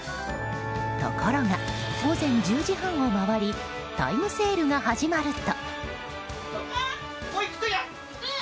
ところが、午前１０時半を回りタイムセールが始まると。